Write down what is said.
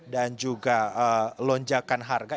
dan juga lonjakan harga